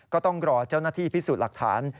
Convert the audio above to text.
ก็ต้องรอเจ้าหน้าที่พิสูจน์หลักฐาน